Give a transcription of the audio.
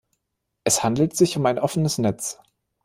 Es handelt sich um ein offenes Netz.